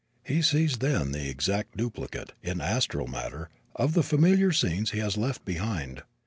He sees then the exact duplicate, in astral matter, of the familiar scenes he has left behind.